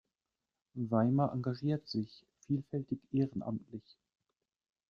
Weimer engagiert sich vielfältig ehrenamtlich.